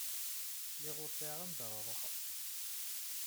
Lliɣ ur sɛiɣ anda ara ruḥeɣ.